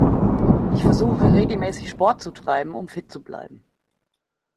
Ich versuche regelmäßig Sport zu treiben, um fit zu bleiben.